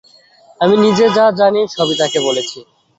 আমি নিজে যা জানি, সবই তাঁকে বলেছি।